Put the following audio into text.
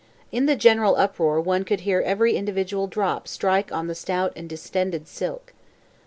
In the general uproar one could hear every individual drop strike on the stout and distended silk.